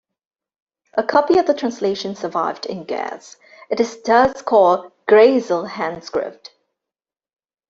A copy of the translation survived in Graz, it is thus called "Grazer Handschrift".